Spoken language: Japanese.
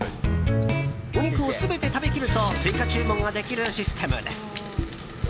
お肉を全て食べきると追加注文ができるシステムです。